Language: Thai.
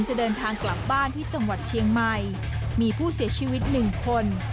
จะเดินทางกลับบ้านที่จังหวัดเชียงใหม่มีผู้เสียชีวิตหนึ่งคน